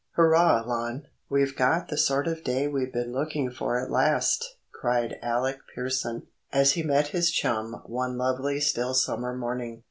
* "Hurrah, Lon! we've got the sort of day we've been looking for at last," cried Alec Pearson, as he met his chum one lovely still summer morning.